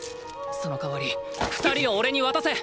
その代わり二人をおれに渡せ！